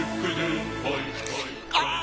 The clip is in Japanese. ああ！